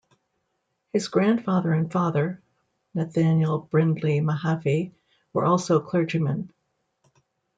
His grandfather and father, Nathaniel Brindley Mahaffy, were also clergymen.